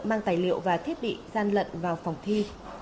mang tài liệu và thiết bị gian lận vào phòng thi